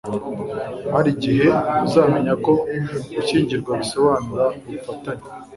hari igihe uzamenya ko gushyingirwa bisobanura ubufatanye